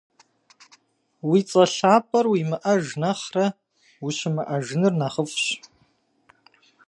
Уи цIэ лъапIэр уимыIэж нэхърэ ущымыIэжыныр нэхъыфIщ.